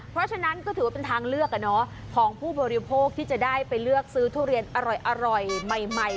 เพราะฉะนั้นก็ถือว่าเป็นทางเลือกของผู้บริโภคที่จะได้ไปเลือกซื้อทุเรียนอร่อยใหม่